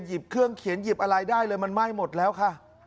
เครื่องเขียนหยิบอะไรได้เลยมันไหม้หมดแล้วค่ะ